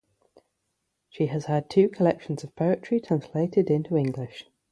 She has had two collections of poetry translated into English.